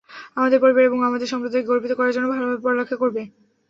আমাদের পরিবার এবং আমাদের সম্প্রদায়কে গর্বিত করার জন্য ভালভাবে পড়ালেখা করবে।